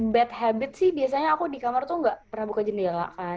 bet habit sih biasanya aku di kamar tuh gak pernah buka jendela kan